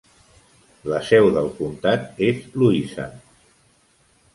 La seu del comtat és Louisa.